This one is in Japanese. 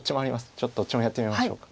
ちょっとどっちもやってみましょうか。